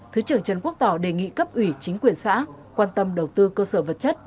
thứ trưởng trần quốc tỏ đề nghị cấp ủy chính quyền xã quan tâm đầu tư cơ sở vật chất